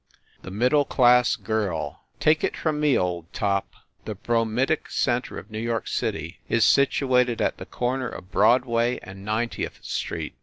THE MIDDLE CLASS GIRL Take it from me, Old Top, the bromidic center of New York City is situated at the corner of Broad way and Ninetieth Street.